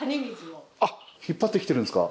あっ引っ張ってきてるんですか？